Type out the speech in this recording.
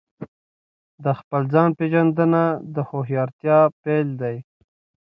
د خپل ځان پېژندنه د هوښیارتیا پیل دی.